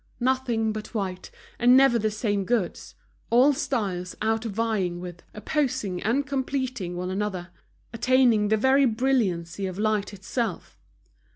Nothing but white, and never the same goods, all styles outvying with, opposing, and completing one another, attaining the very brilliancy of light itself.